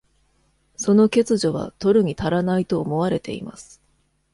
その欠如は取るに足らないと思われています。